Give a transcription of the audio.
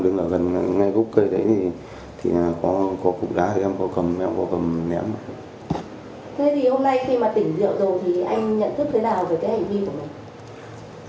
thế thì hôm nay khi mà tỉnh rượu rồi thì anh nhận thức thế nào về cái hành vi của mình